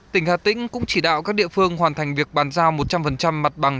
tỉnh hà tĩnh cũng chỉ đạo các địa phương hoàn thành việc bàn giao một trăm linh mặt bằng